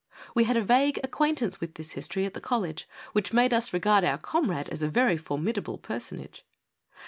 We had a vague acquaintance with this history at the college, which made us regard our comrade as a very formidable personage.